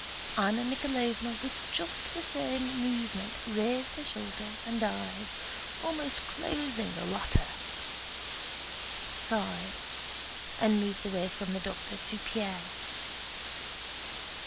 Anna Mikháylovna with just the same movement raised her shoulders and eyes, almost closing the latter, sighed, and moved away from the doctor to Pierre.